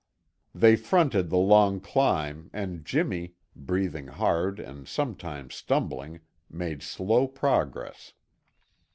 They fronted the long climb and Jimmy, breathing hard and sometimes stumbling, made slow progress.